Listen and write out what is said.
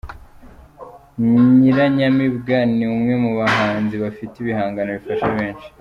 Nyiranyamibwa ni umwe mu bahanzi bafite ibihangano bifasha benshi.